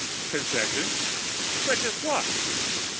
"Concessions? Such as what?"